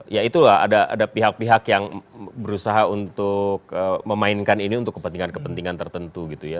ya itulah ada pihak pihak yang berusaha untuk memainkan ini untuk kepentingan kepentingan tertentu gitu ya